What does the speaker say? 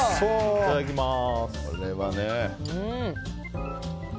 いただきます。